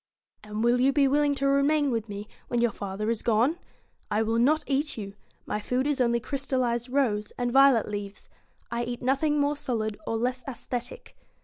* And will you be willing to remain with me, when your father is gone ? I will not eat you my food is only crystallised rose and violet leaves. I eat nothing more solid or less aesthetic.'